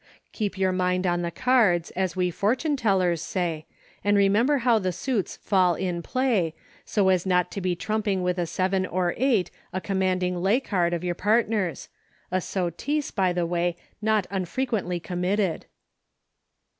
Keep your mind on the cards, as we for tune tellers say, and remember how the suits fall in play, so as not to be trumping with a seven or eight a commanding lay card of your 182 EUCHRE. partner's — a sottise, by the way, not unfre quently committed.